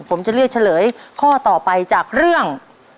ผมจะเลือกเฉลยข้อต่อไปจากเรื่อง